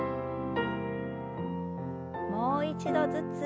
もう一度ずつ。